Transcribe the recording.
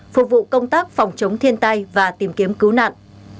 phục vụ công tác phòng chống thiên tai và tìm kiếm cứu nạn